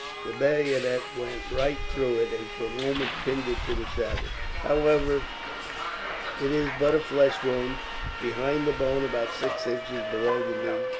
The bayonet went right through it, and for a moment pinned it to the saddle. However, it is but a flesh wound, behind the bone about six inches below the knee.